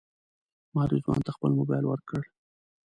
ما رضوان ته خپل موبایل ورکړ.